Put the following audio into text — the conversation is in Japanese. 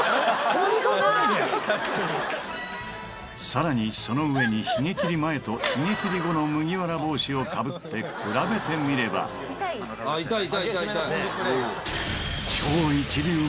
さらにその上にヒゲ切り前とヒゲ切り後の麦わら帽子をかぶって比べてみれば痛い？